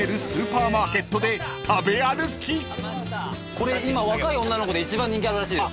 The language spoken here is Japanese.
これ今若い女の子で一番人気あるらしいです。